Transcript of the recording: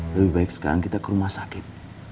lebih baik sekarang kita ke rumah sakit